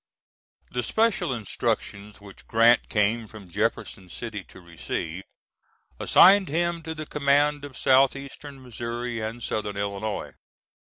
[The special instructions which Grant came from Jefferson City to receive, assigned him to the command of southeastern Missouri and southern Illinois.